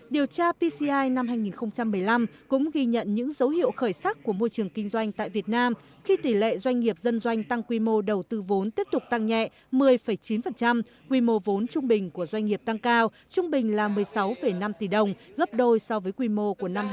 điều tra pci năm hai nghìn một mươi năm cũng ghi nhận những dấu hiệu khởi sắc của môi trường kinh doanh tại việt nam khi tỷ lệ doanh nghiệp dân doanh tăng quy mô đầu tư vốn tiếp tục tăng nhẹ một mươi chín quy mô vốn trung bình của doanh nghiệp tăng cao trung bình là một mươi sáu năm tỷ đồng gấp đôi so với quy mô của năm hai nghìn một mươi bảy